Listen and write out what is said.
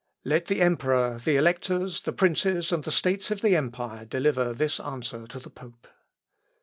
_' Let the emperor, the electors, the princes, and the states of the empire, deliver this answer to the pope."